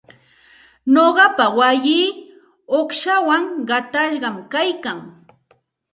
Nuqapa wayii uqshawan qatashqam kaykan.